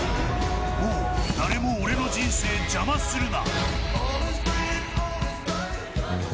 もう誰も俺の人生邪魔するな。